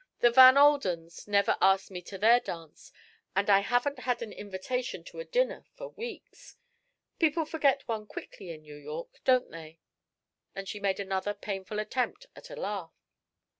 The Van Aldens never asked me to their dance, and I haven't had an invitation to a dinner for weeks. People forget one quickly in New York, don't they?" And she made another painful attempt at a laugh.